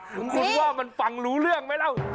คุณว่ามันฟังรู้เรื่องไหมเล่า